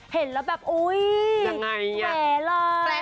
เห็นแล้วแบบโอ้ยแหวะเลย